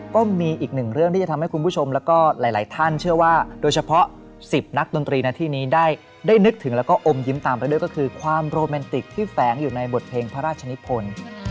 ก็มีอีกหนึ่งเรื่องที่จะทำให้คุณผู้ชมแล้วก็หลายท่านเชื่อว่าโดยเฉพาะ๑๐นักดนตรีในที่นี้ได้นึกถึงแล้วก็อมยิ้มตามไปด้วยก็คือความโรแมนติกที่แฝงอยู่ในบทเพลงพระราชนิพล